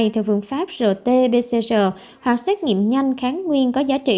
theo phương pháp rt pcr hoặc xét nghiệm nhanh kháng nguyên có giá trị